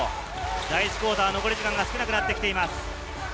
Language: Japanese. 第１クオーター、残り時間が少なくなってきています。